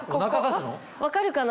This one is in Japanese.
分かるかな？